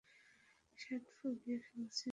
Shirt পুড়িয়ে ফেলেছে।